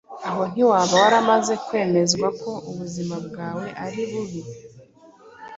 Aho ntiwaba waramaze kwemezwa ko ubuzima bwawe ari bubi